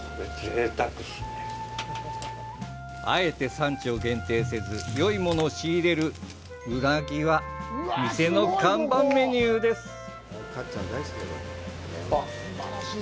あえて産地を限定せずよいものを仕入れるウナギは店の看板メニューです。